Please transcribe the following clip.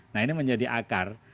nah ini menjadi akar